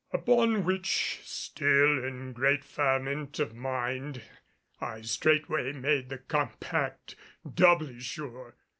Upon which, still in great ferment of mind, I straightway made the compact doubly sure.